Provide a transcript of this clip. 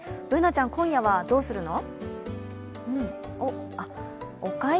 Ｂｏｏｎａちゃん、今夜はどうするの？